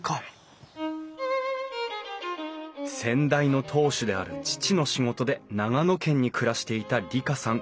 先代の当主である父の仕事で長野県に暮らしていた里香さん